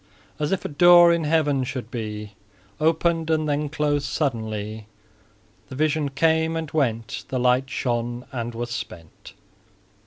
As if a door in heaven should be Opened and then closed suddenly, The vision came and went, The light shone and was spent.